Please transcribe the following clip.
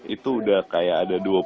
itu udah kayak ada